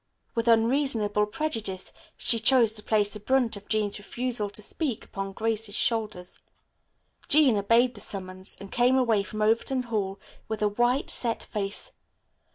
With unreasonable prejudice she chose to place the brunt of Jean's refusal to speak upon Grace's shoulders. Jean obeyed the summons and came away from Overton Hall with a white, set face.